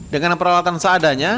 dengan peralatan seadanya